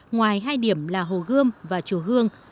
ngoài hai điểm là hồ gươm và chùa hương